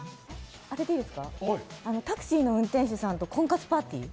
タクシーの運転手さんと婚活パーティー？